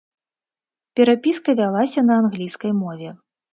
Перапіска вялася на англійскай мове.